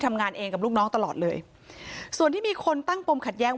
ทำงานเองกับลูกน้องตลอดเลยส่วนที่มีคนตั้งปมขัดแย้ง